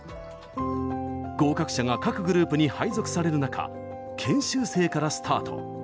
合格者が各グループに配属される中研修生からスタート。